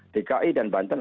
dki dan banten